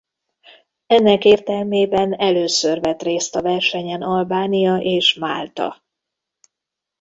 Ennek értelmében először vett részt a versenyen Albánia és Málta.